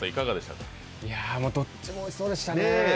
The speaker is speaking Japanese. もうどっちもおいしそうでしたね。